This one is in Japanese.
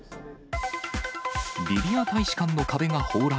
リビア大使館の壁が崩落。